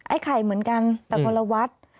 ไอ้ไข่เหมือนกันตะพุระวัด